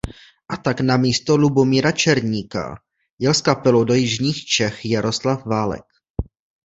A tak namísto Lubomíra Černíka jel s kapelou do jižních Čech Jaroslav Válek.